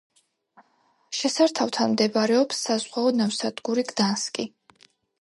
შესართავთან მდებარეობს საზღვაო ნავსადგური გდანსკი.